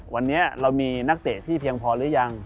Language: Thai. วันนี้เรามีนักเตะที่เพียงพอหรือยัง